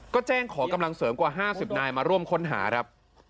ก็แจ้งขอกำลังเสริมกว่า๕๐นายมาร่วมค้นหาครับ